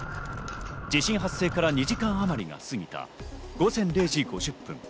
地震発生から２時間あまりが過ぎた午前０時５０分。